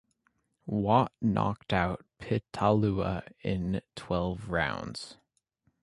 Watt knocked out Pitalua in twelve rounds.